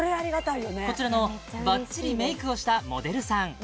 こちらのばっちりメイクをしたモデルさん